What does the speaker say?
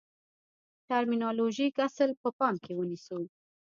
ټرمینالوژیک اصل په پام کې ونیسو.